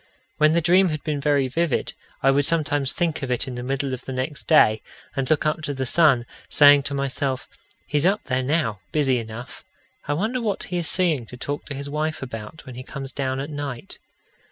When the dream had been very vivid, I would sometimes think of it in the middle of the next day, and look up to the sun, saying to myself: He's up there now, busy enough. I wonder what he is seeing to talk to his wife about when he comes down at night?